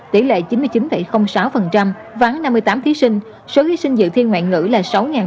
tỷ lệ chín mươi chín sáu vắng năm mươi tám thí sinh số thí sinh dự thi ngoại ngữ là sáu tám mươi bốn